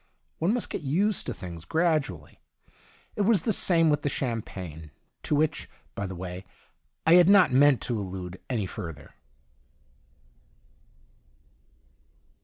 One must get used to things gradually. It was the same with the champagne — to which, by the way, I had not meant to allude any further.